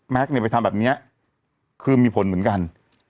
เนี่ยไปทำแบบนี้คือมีผลเหมือนกัน